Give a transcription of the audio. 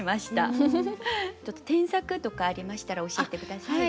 添削とかありましたら教えて下さい。